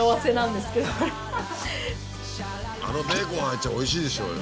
あのベーコン入っちゃおいしいでしょうよ。